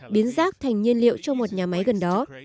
biến rác thành nhiên liệu cho một nhà máy gần đó